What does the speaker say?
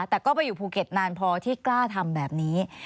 แต่ก็ไปอยู่ภูเก็ตนานพอที่กล้าทำแบบนี้